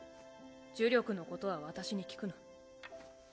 呪力のことは私に聞くな。